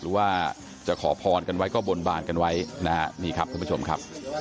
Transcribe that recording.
หรือว่าจะขอพรกันไว้ก็บนบานกันไว้นะฮะนี่ครับท่านผู้ชมครับ